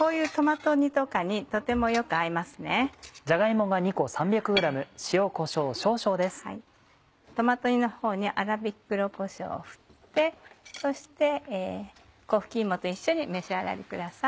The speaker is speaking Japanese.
トマト煮のほうに粗びき黒こしょうを振ってそして粉吹き芋と一緒に召し上がりください。